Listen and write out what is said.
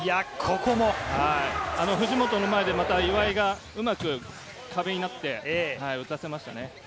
藤本の前で岩井がうまく壁になって打たせましたね。